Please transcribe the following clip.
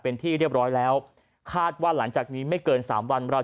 เป็นที่เรียบร้อยแล้วคาดว่าหลังจากนี้ไม่เกินสามวันเรา